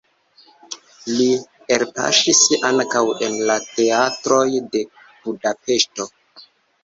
Li elpaŝis ankaŭ en la teatroj de Budapeŝto.